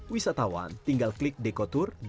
wisatawan tinggal klik dekotour bumdeswisata id